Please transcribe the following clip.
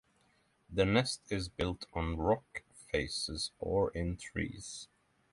The nest is built on rock faces or in trees.